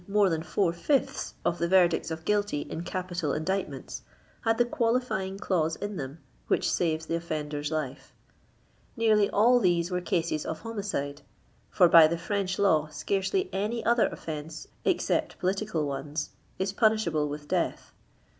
more than four fifths of the verdicts of guilty in capital indictments, had the qualifying clause in them which saves the offender's life. Nearly all these were cases of homicide, for by the French law soaicely any other offense, except political ones, is punishable with death.